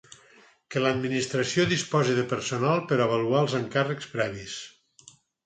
Que l'Administració disposi de personal per avaluar els encàrrecs previs.